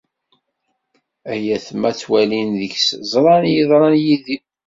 Ayetma ttwalin deg-s ẓran i yeḍran yid-i.